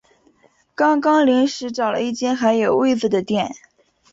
刚刚临时找了一间还有位子的店